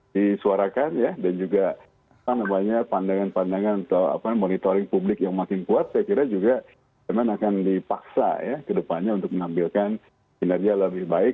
disuarakan ya dan juga pandangan pandangan atau monitoring publik yang makin kuat saya kira juga akan dipaksa ya ke depannya untuk menampilkan kinerja lebih baik